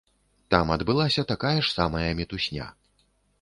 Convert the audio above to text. Там адбылася такая ж самая мітусня.